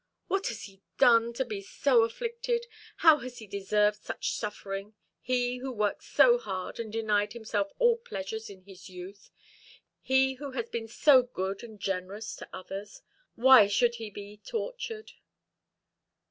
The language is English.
"What has he done to be so afflicted? how has he deserved such suffering, he who worked so hard, and denied himself all pleasures in his youth he who has been so good and generous to others? Why should he be tortured?"